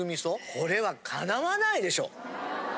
これはかなわないでしょ。